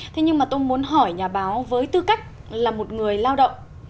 thế nhưng mà tôi muốn hỏi nhà báo với tư cách là một người lao động